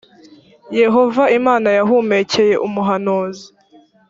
yehova imana yahumekeye umuhanuzi